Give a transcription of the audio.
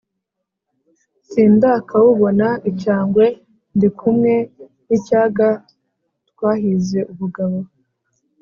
Sindakawubona icyangwe; ndi kumwe n’ icyaga twahize ubugabo.